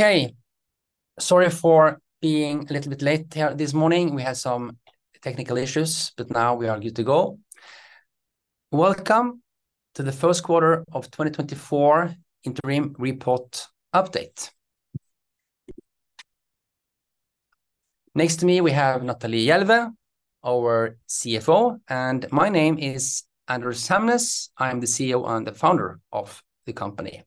Okay, sorry for being a little bit late here this morning. We had some technical issues, but now we are good to go. Welcome to the first quarter of 2024 Interim Report Update. Next to me, we have Natalie Jelveh, our CFO, and my name is Anders Hamnes. I am the CEO and the founder of the company.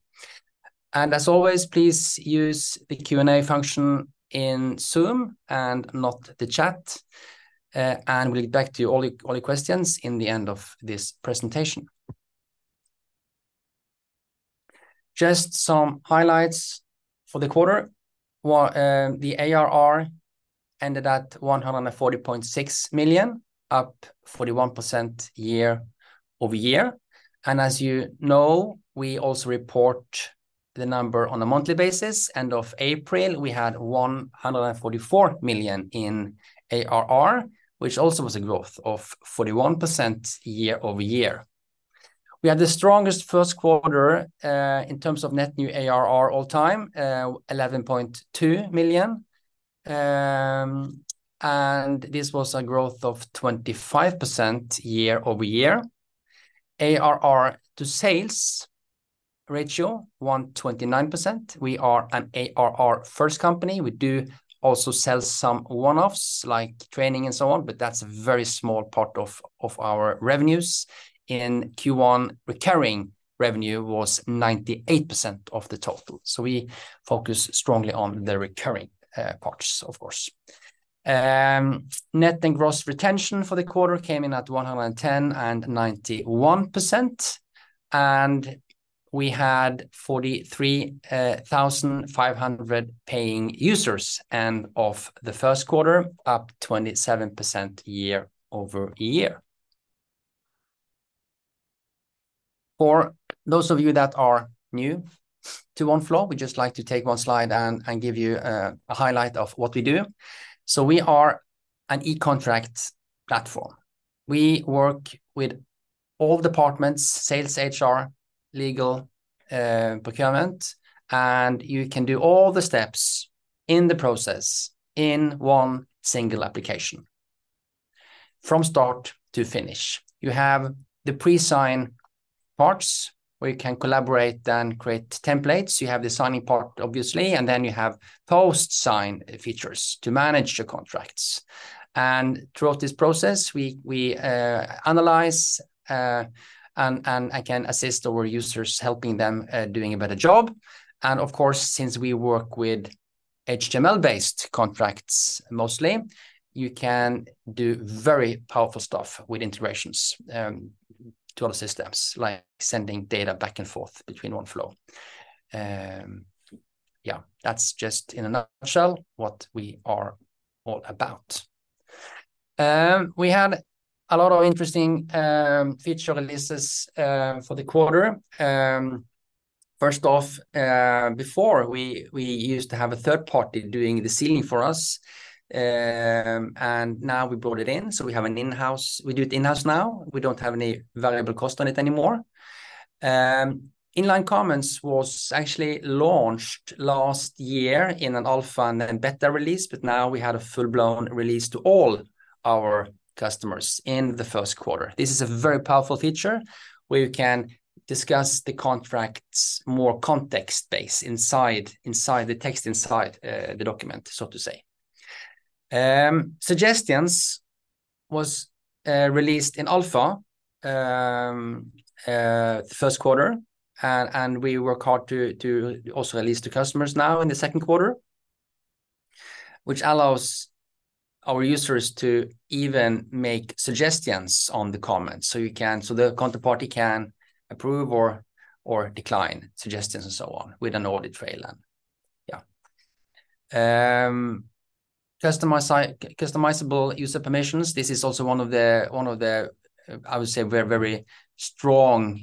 As always, please use the Q&A function in Zoom and not the chat, and we'll get back to all your questions in the end of this presentation. Just some highlights for the quarter. The ARR ended at 140.6 million, up 41% year-over-year. As you know, we also report the number on a monthly basis. End of April, we had 144 million in ARR, which also was a growth of 41% year-over-year. We had the strongest first quarter in terms of net new ARR all time, 11.2 million, and this was a growth of 25% year-over-year. ARR to sales ratio, 129%. We are an ARR-first company. We do also sell some one-offs like training and so on, but that's a very small part of our revenues. In Q1, recurring revenue was 98% of the total. So we focus strongly on the recurring parts, of course. Net and gross retention for the quarter came in at 110% and 91%, and we had 43,500 paying users end of the first quarter, up 27% year-over-year. For those of you that are new to Oneflow, we'd just like to take one slide and give you a highlight of what we do. So we are an e-contract platform. We work with all departments: sales, HR, legal, procurement, and you can do all the steps in the process in one single application from start to finish. You have the pre-sign parts where you can collaborate and create templates. You have the signing part, obviously, and then you have post-sign features to manage the contracts. And throughout this process, we analyze and can assist our users, helping them doing a better job. And of course, since we work with HTML-based contracts mostly, you can do very powerful stuff with integrations to other systems, like sending data back and forth between Oneflow. Yeah, that's just in a nutshell what we are all about. We had a lot of interesting feature releases for the quarter. First off, before, we used to have a third party doing the sealing for us, and now we brought it in. So we do it in-house now. We don't have any variable cost on it anymore. Inline Comments was actually launched last year in an alpha and then beta release, but now we had a full-blown release to all our customers in the first quarter. This is a very powerful feature where you can discuss the contracts more context-based inside the text, inside the document, so to say. Suggestions was released in alpha the first quarter, and we work hard to also release to customers now in the second quarter, which allows our users to even make suggestions on the comments so the counterparty can approve or decline suggestions and so on with an audit trail and yeah. Customizable user permissions. This is also one of the, I would say, very, very strong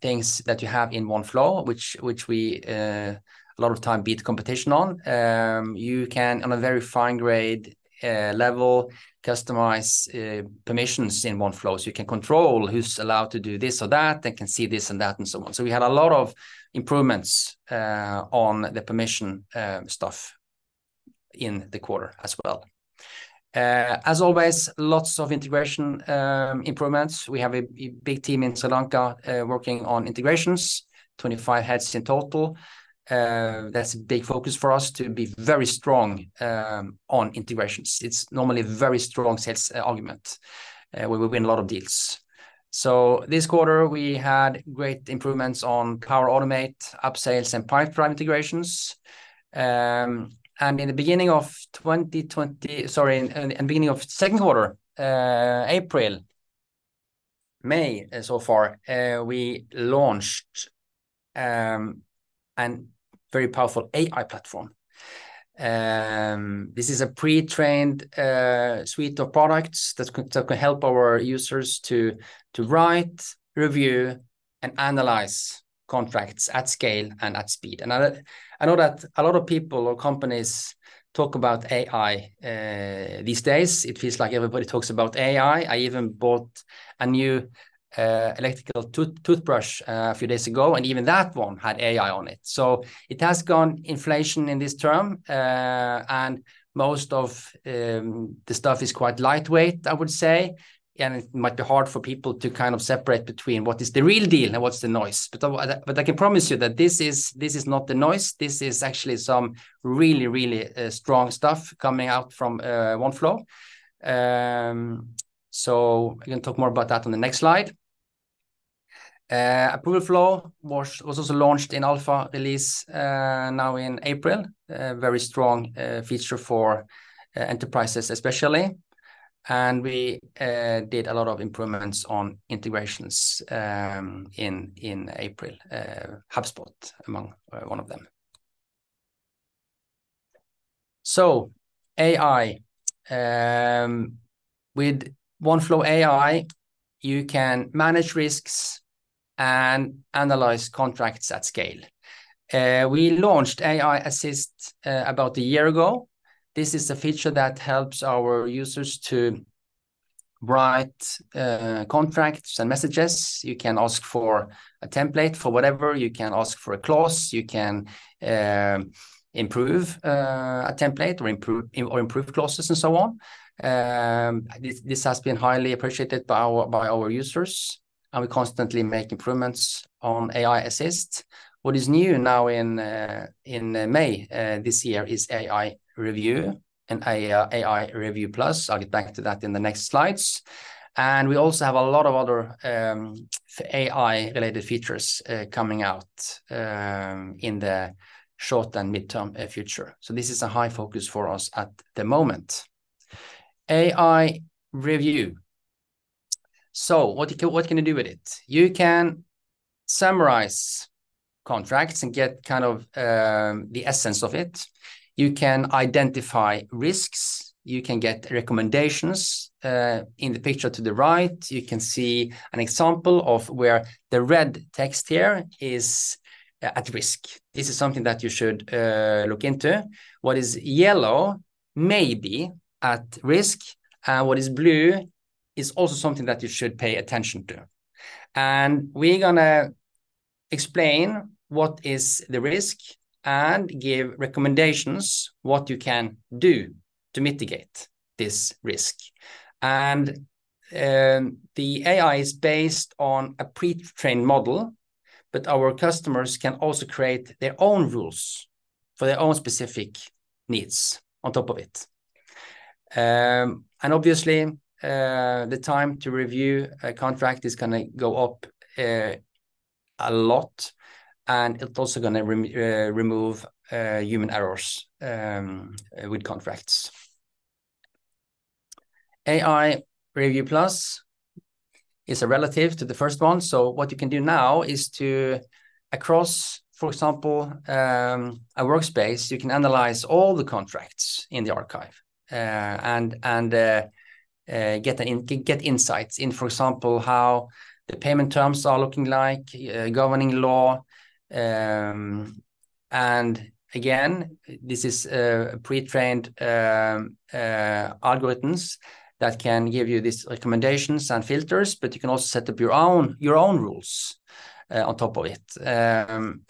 things that you have in Oneflow, which we a lot of time beat competition on. You can, on a very fine-grade level, customize permissions in Oneflow. So you can control who's allowed to do this or that and can see this and that and so on. So we had a lot of improvements on the permission stuff in the quarter as well. As always, lots of integration improvements. We have a big team in Sri Lanka working on integrations, 25 heads in total. That's a big focus for us to be very strong on integrations. It's normally a very strong sales argument where we win a lot of deals. So this quarter, we had great improvements on Power Automate, Upsales, and Pipedrive integrations. And in the beginning of 2020 sorry, in the beginning of second quarter, April, May so far, we launched a very powerful AI platform. This is a pre-trained suite of products that can help our users to write, review, and analyze contracts at scale and at speed. I know that a lot of people or companies talk about AI these days. It feels like everybody talks about AI. I even bought a new electrical toothbrush a few days ago, and even that one had AI on it. It has gone inflation in this term, and most of the stuff is quite lightweight, I would say. It might be hard for people to kind of separate between what is the real deal and what's the noise. I can promise you that this is not the noise. This is actually some really, really strong stuff coming out from Oneflow. I'm going to talk more about that on the next slide. Approval Flow was also launched in alpha release now in April, a very strong feature for enterprises, especially. We did a lot of improvements on integrations in April, HubSpot among one of them. With Oneflow AI, you can manage risks and analyze contracts at scale. We launched AI Assist about a year ago. This is a feature that helps our users to write contracts and messages. You can ask for a template for whatever. You can ask for a clause. You can improve a template or improve clauses and so on. This has been highly appreciated by our users, and we constantly make improvements on AI Assist. What is new now in May this year is AI Review and AI Review Plus. I'll get back to that in the next slides. And we also have a lot of other AI-related features coming out in the short and mid-term future. So this is a high focus for us at the moment. AI Review. So what can you do with it? You can summarize contracts and get kind of the essence of it. You can identify risks. You can get recommendations in the picture to the right. You can see an example of where the red text here is at risk. This is something that you should look into. What is yellow may be at risk, and what is blue is also something that you should pay attention to. And we're going to explain what is the risk and give recommendations, what you can do to mitigate this risk. The AI is based on a pre-trained model, but our customers can also create their own rules for their own specific needs on top of it. Obviously, the time to review a contract is going to go up a lot, and it's also going to remove human errors with contracts. AI Review Plus is relative to the first one. So what you can do now is to, across, for example, a workspace, you can analyze all the contracts in the archive and get insights in, for example, how the payment terms are looking like, governing law. Again, this is pre-trained algorithms that can give you these recommendations and filters, but you can also set up your own rules on top of it. An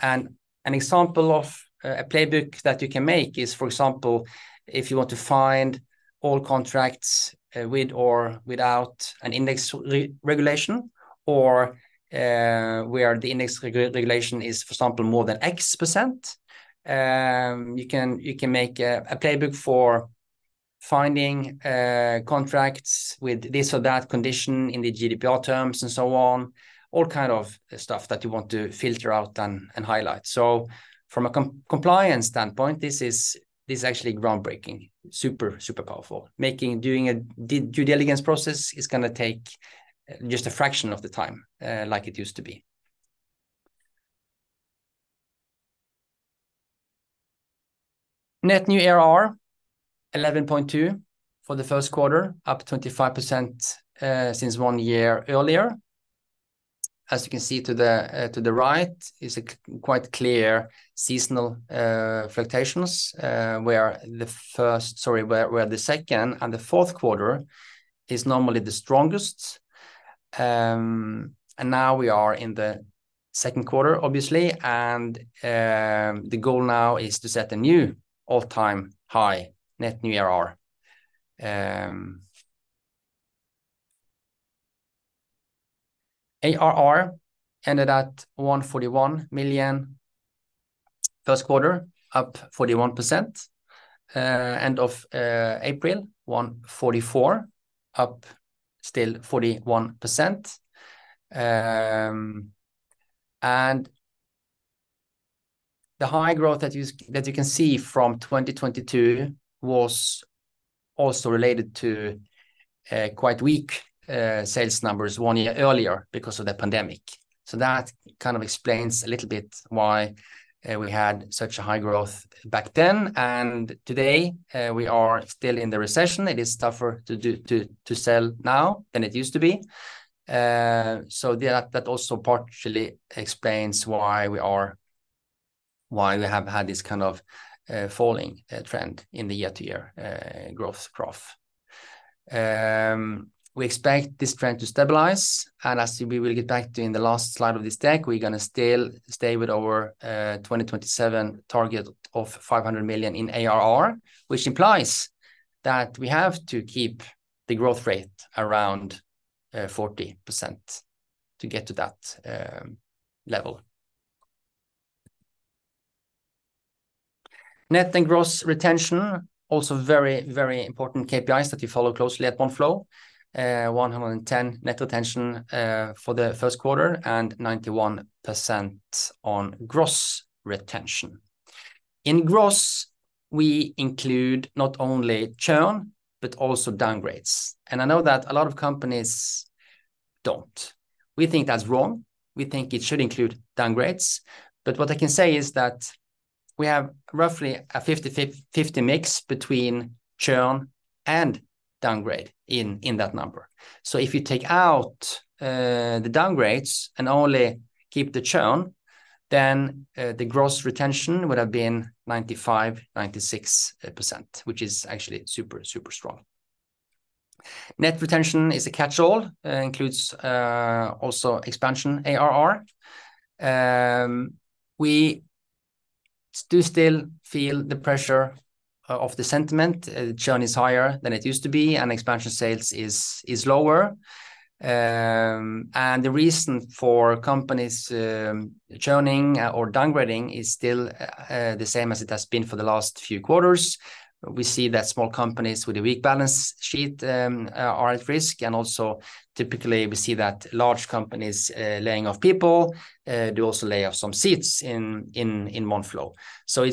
example of a playbook that you can make is, for example, if you want to find all contracts with or without an index regulation or where the index regulation is, for example, more than X%, you can make a playbook for finding contracts with this or that condition in the GDPR terms and so on, all kind of stuff that you want to filter out and highlight. So from a compliance standpoint, this is actually groundbreaking, super, super powerful. Doing a due diligence process is going to take just a fraction of the time like it used to be. Net new ARR, 11.2 for the first quarter, up 25% since one year earlier. As you can see to the right, it's quite clear seasonal fluctuations where the second and the fourth quarter is normally the strongest. And now we are in the second quarter, obviously. The goal now is to set a new all-time high net new ARR. ARR ended at 141 million first quarter, up 41%. End of April, 144 million, up still 41%. The high growth that you can see from 2022 was also related to quite weak sales numbers one year earlier because of the pandemic. So that kind of explains a little bit why we had such a high growth back then. Today, we are still in the recession. It is tougher to sell now than it used to be. So that also partially explains why we have had this kind of falling trend in the year-to-year growth graph. We expect this trend to stabilize. As we will get back to in the last slide of this deck, we're going to still stay with our 2027 target of 500 million in ARR, which implies that we have to keep the growth rate around 40% to get to that level. Net and gross retention, also very, very important KPIs that you follow closely at Oneflow: 110 net retention for the first quarter and 91% on gross retention. In gross, we include not only churn but also downgrades. I know that a lot of companies don't. We think that's wrong. We think it should include downgrades. What I can say is that we have roughly a 50/50 mix between churn and downgrade in that number. If you take out the downgrades and only keep the churn, then the gross retention would have been 95%-96%, which is actually super, super strong. Net retention is a catch-all, includes also expansion ARR. We do still feel the pressure of the sentiment. Churn is higher than it used to be, and expansion sales is lower. And the reason for companies churning or downgrading is still the same as it has been for the last few quarters. We see that small companies with a weak balance sheet are at risk. And also, typically, we see that large companies laying off people do also lay off some seats in Oneflow. So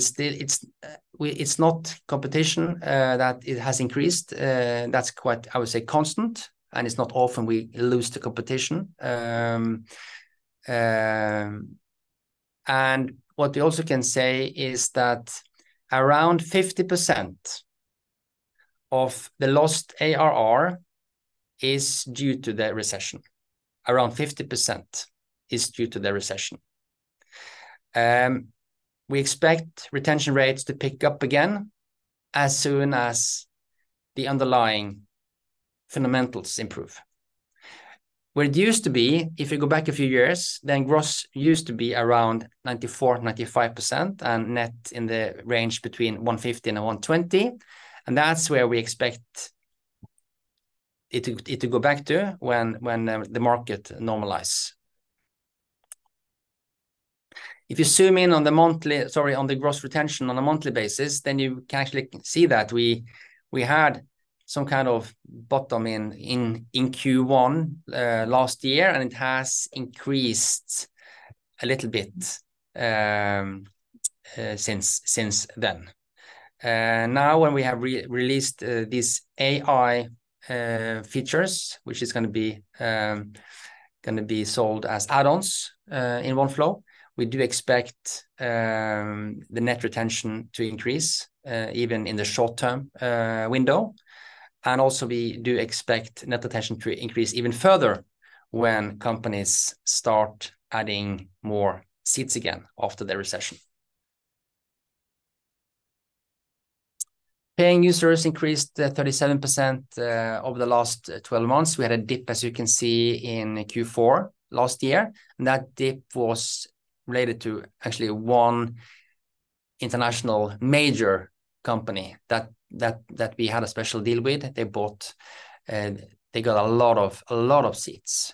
it's not competition that has increased. That's quite, I would say, constant. And it's not often we lose to competition. And what we also can say is that around 50% of the lost ARR is due to the recession. Around 50% is due to the recession. We expect retention rates to pick up again as soon as the underlying fundamentals improve. Where it used to be, if we go back a few years, then gross used to be around 94%-95% and net in the range between 150% and 120%. That's where we expect it to go back to when the market normalizes. If you zoom in on the monthly, sorry, on the gross retention on a monthly basis, then you can actually see that we had some kind of bottom in Q1 last year, and it has increased a little bit since then. Now, when we have released these AI features, which is going to be sold as add-ons in Oneflow, we do expect the net retention to increase even in the short-term window. Also, we do expect net retention to increase even further when companies start adding more seats again after the recession. Paying users increased 37% over the last 12 months. We had a dip, as you can see, in Q4 last year. That dip was related to actually one international major company that we had a special deal with. They got a lot of seats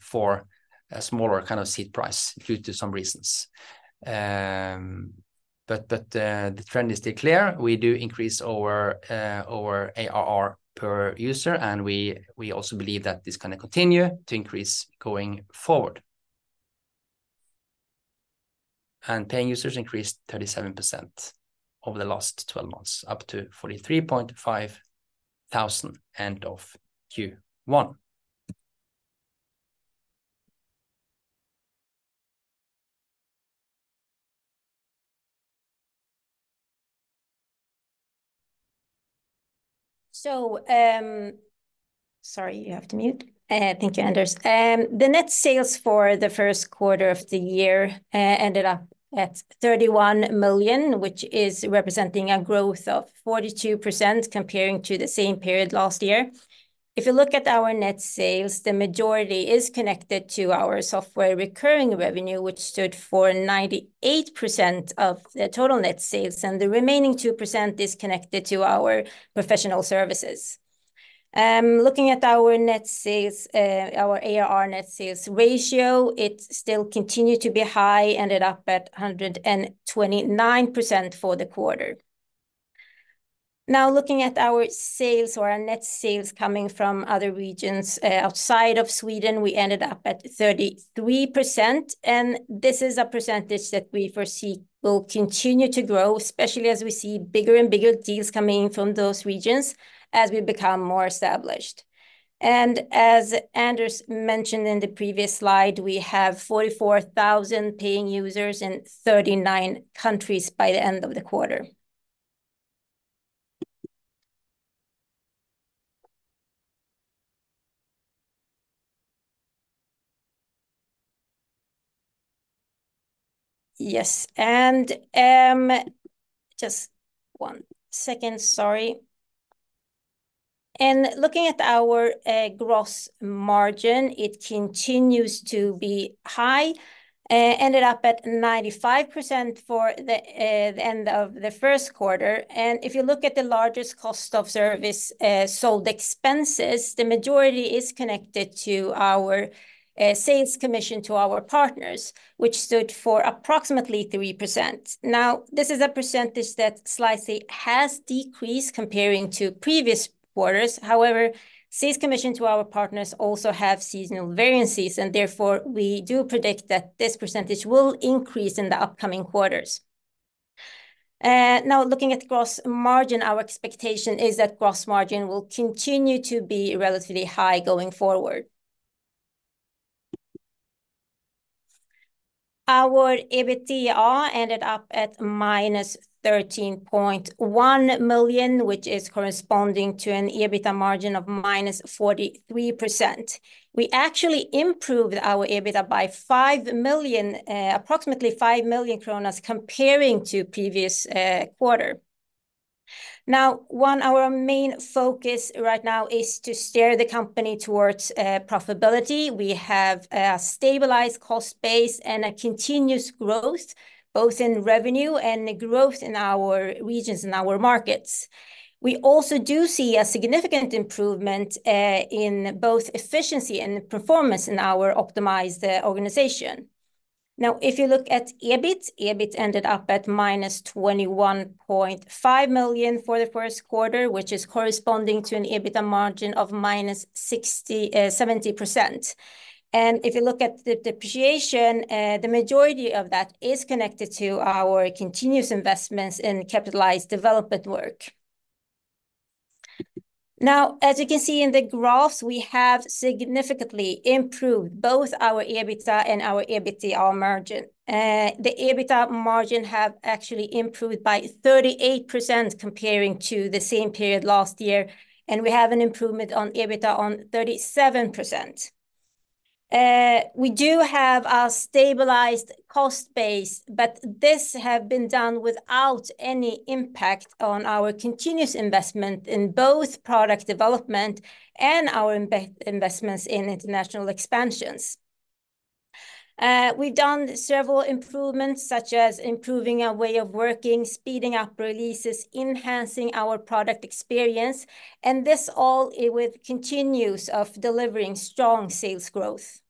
for a smaller kind of seat price due to some reasons. The trend is still clear. We do increase our ARR per user, and we also believe that this is going to continue to increase going forward. Paying users increased 37% over the last 12 months, up to 43,500 end of Q1. Sorry, you have to mute. Thank you, Anders. The net sales for the first quarter of the year ended up at 31 million, which is representing a growth of 42% comparing to the same period last year. If you look at our net sales, the majority is connected to our software recurring revenue, which stood for 98% of the total net sales. The remaining 2% is connected to our professional services. Looking at our ARR net sales ratio, it still continued to be high, ended up at 129% for the quarter. Now, looking at our sales or our net sales coming from other regions outside of Sweden, we ended up at 33%. This is a percentage that we foresee will continue to grow, especially as we see bigger and bigger deals coming in from those regions as we become more established. As Anders mentioned in the previous slide, we have 44,000 paying users in 39 countries by the end of the quarter. Yes. Just one second, sorry. Looking at our gross margin, it continues to be high, ended up at 95% for the end of the first quarter. If you look at the largest cost of service sold expenses, the majority is connected to our sales commission to our partners, which stood for approximately 3%. Now, this is a percentage that slightly has decreased comparing to previous quarters. However, sales commission to our partners also have seasonal variances. And therefore, we do predict that this percentage will increase in the upcoming quarters. Now, looking at gross margin, our expectation is that gross margin will continue to be relatively high going forward. Our EBITDA ended up at -13.1 million, which is corresponding to an EBITDA margin of -43%. We actually improved our EBITDA by approximately 5 million kronor comparing to previous quarter. Now, one of our main focuses right now is to steer the company towards profitability. We have a stabilized cost base and a continuous growth, both in revenue and growth in our regions and our markets. We also do see a significant improvement in both efficiency and performance in our optimized organization. Now, if you look at EBIT, EBIT ended up at -21.5 million for the first quarter, which is corresponding to an EBITDA margin of -70%. And if you look at the depreciation, the majority of that is connected to our continuous investments in capitalized development work. Now, as you can see in the graphs, we have significantly improved both our EBITDA and our EBITDA margin. The EBITDA margin has actually improved by 38% comparing to the same period last year. And we have an improvement on EBITDA on 37%. We do have a stabilized cost base, but this has been done without any impact on our continuous investment in both product development and our investments in international expansions. We've done several improvements, such as improving our way of working, speeding up releases, enhancing our product experience, and this all with continuing to deliver strong sales growth.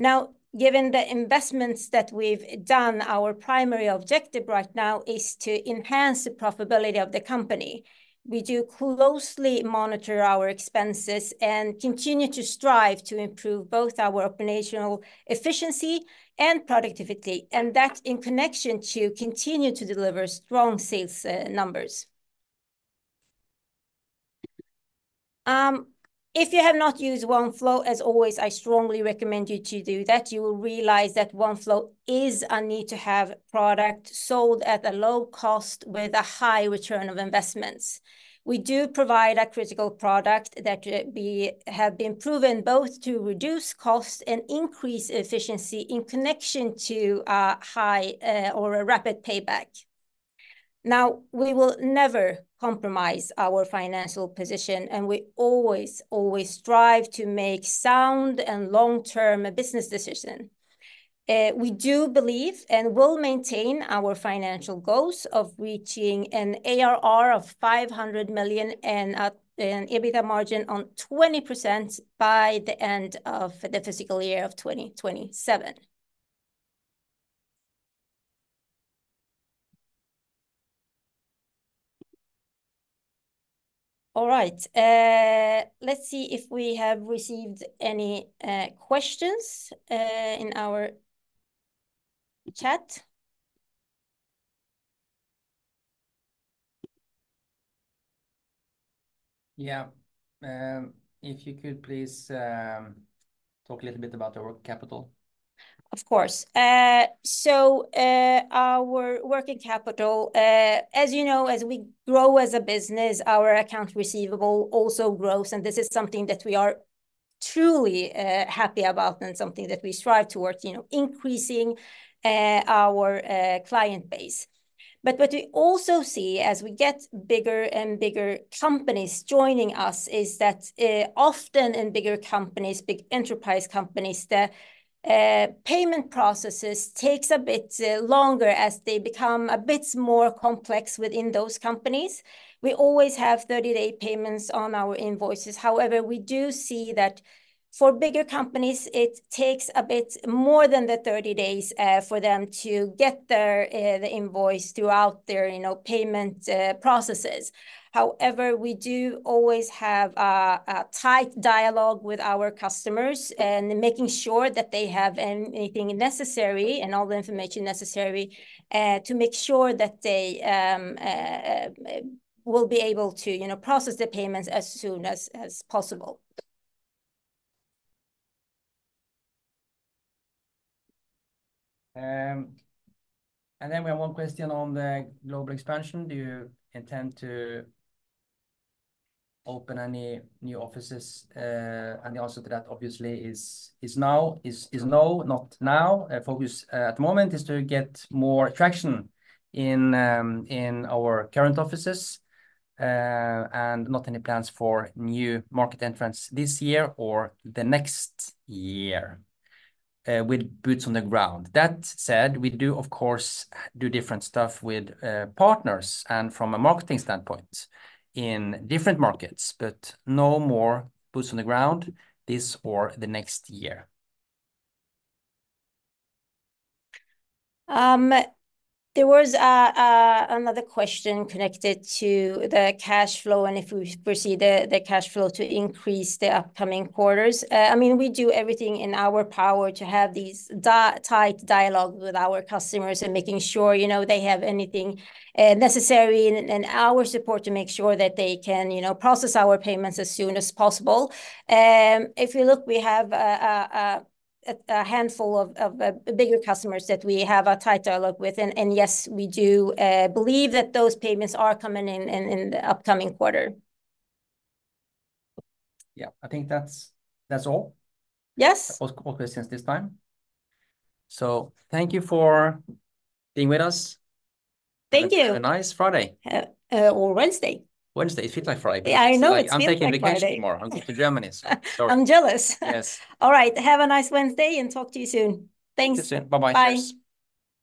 Now, given the investments that we've done, our primary objective right now is to enhance the profitability of the company. We do closely monitor our expenses and continue to strive to improve both our operational efficiency and productivity, and that in connection with continuing to deliver strong sales numbers. If you have not used Oneflow, as always, I strongly recommend you to do that. You will realize that Oneflow is a need to have product sold at a low cost with a high return of investments. We do provide a critical product that has been proven both to reduce costs and increase efficiency in connection to a high or a rapid payback. Now, we will never compromise our financial position, and we always, always strive to make sound and long-term business decisions. We do believe and will maintain our financial goals of reaching an ARR of 500 million and an EBITDA margin on 20% by the end of the fiscal year of 2027. All right. Let's see if we have received any questions in our chat. Yeah. If you could please talk a little bit about the working capital. Of course. So our working capital, as you know, as we grow as a business, our account receivable also grows. And this is something that we are truly happy about and something that we strive towards, increasing our client base. But what we also see as we get bigger and bigger companies joining us is that often in bigger companies, big enterprise companies, the payment processes take a bit longer as they become a bit more complex within those companies. We always have 30-day payments on our invoices. However, we do see that for bigger companies, it takes a bit more than the 30 days for them to get the invoice throughout their payment processes. However, we do always have a tight dialogue with our customers and making sure that they have anything necessary and all the information necessary to make sure that they will be able to process the payments as soon as possible. And then we have one question on the global expansion. Do you intend to open any new offices? And the answer to that, obviously, is no, not now. The focus at the moment is to get more traction in our current offices and not any plans for new market entrants this year or the next year with boots on the ground. That said, we do, of course, do different stuff with partners and from a marketing standpoint in different markets, but no more boots on the ground this or the next year. There was another question connected to the cash flow and if we foresee the cash flow to increase the upcoming quarters. I mean, we do everything in our power to have these tight dialogues with our customers and making sure they have anything necessary and our support to make sure that they can process our payments as soon as possible. If you look, we have a handful of bigger customers that we have a tight dialogue with. Yes, we do believe that those payments are coming in the upcoming quarter. Yeah. I think that's all. Yes. All questions this time. So thank you for being with us. Thank you. Have a nice Friday. Or Wednesday. Wednesday. It feels like Friday. I know. It's Friday. I'm taking vacation tomorrow. I'm going to Germany. I'm jealous. Yes. All right. Have a nice Wednesday and talk to you soon. Thanks. Talk to you soon. Bye-bye. Bye.